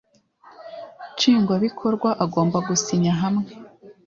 nshingwabikorwa Agomba gusinya hamwe